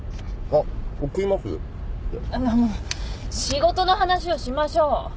仕事の話をしましょう。